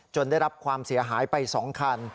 ได้รับความเสียหายไป๒คัน